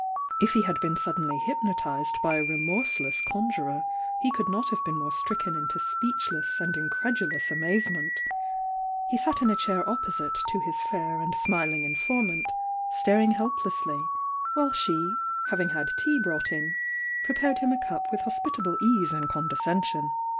If he had been suddenly hypnotised by a remorseless conjurer, he could not have been more stricken into speechless and incredu lous amazement. He sat in a chair opposite to his fair and smiling informant, staring helplessly, while ghe, having had tea brought in, prepared him a cup with heritable ease and condescension.